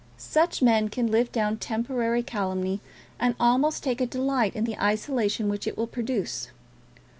Such men can live down temporary calumny, and almost take a delight in the isolation which it will produce.